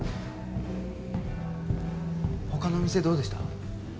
他の店どうでした？